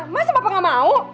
masa bapak gak mau